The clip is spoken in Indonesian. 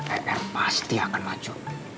er pasti akan maju